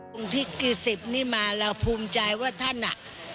วันที่กี่สิบนี่มาเราภูมิใจว่าท่านอ่ะ